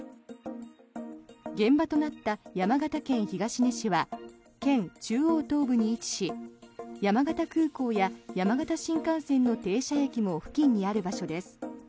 現場となった山形県東根市は県中央東部に位置し山形空港や山形新幹線の停車駅も付近にある場所です。